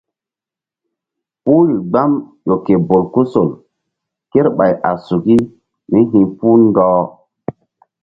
Puhri gbam ƴo ke bolkusol kerɓay a suki mí hi̧puh ɗɔh.